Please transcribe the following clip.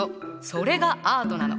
それがアートなの。